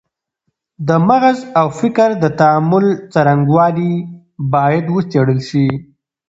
د مغز او فکر د تعامل څرنګوالی باید وڅېړل سي.